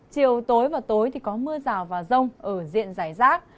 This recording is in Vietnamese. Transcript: chiều tối và tối thì có mưa rào và rông ở diện giải rác